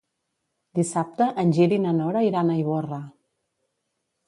Dissabte en Gil i na Nora iran a Ivorra.